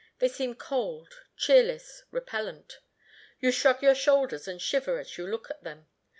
They seem cold, cheerless, repellent; you shrug your shoulders and shiver as you look at them.